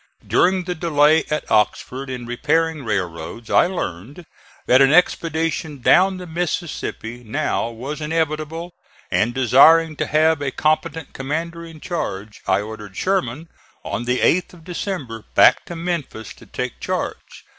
During the delay at Oxford in repairing railroads I learned that an expedition down the Mississippi now was inevitable and, desiring to have a competent commander in charge, I ordered Sherman on the 8th of December back to Memphis to take charge.